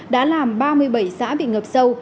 đã làm ba mươi bảy xã bị ngập sâu